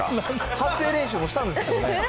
発声練習もしたんですけどね。